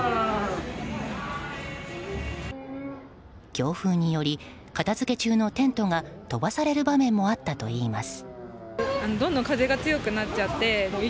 強風により、片付け中のテントが飛ばされる場面もあったといいます。